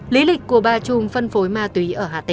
lý lịch của ba chùm phân phối ma túy